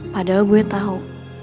padahal gue tau